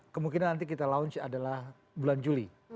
kemungkinan nanti kita launch adalah bulan juli